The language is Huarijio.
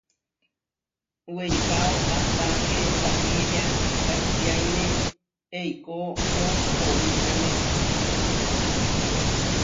Weikáo ahtá ké taʼiria kahtiáine, eikó oʼowitiáme aháma waʼá.